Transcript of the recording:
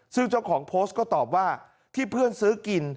ซึ่งเจ้าของโพสต์ก็ตอบว่าที่เพื่อนซื้อกิน